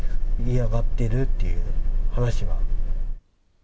嫌がってるっていう話は。